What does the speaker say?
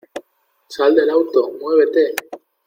¡ Sal del auto! ¡ muévete !